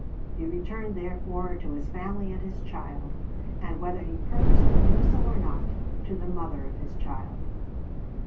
He returned therefore to his family and his child, and whether he purposed to do so or not, to the mother of his child.